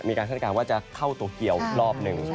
มีการคาดการณ์ว่าจะเข้าตัวเกี่ยวรอบหนึ่ง